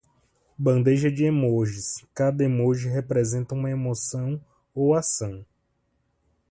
Bandeja de emojis, cada emoji representa uma emoção ou ação